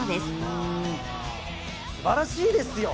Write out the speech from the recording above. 素晴らしいですよ！